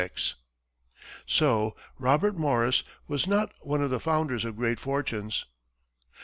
So Robert Morris was not one of the founders of great fortunes.